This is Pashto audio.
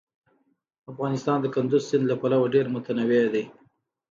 افغانستان د کندز سیند له پلوه ډېر متنوع دی.